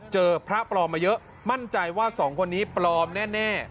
พระปลอมมาเยอะมั่นใจว่าสองคนนี้ปลอมแน่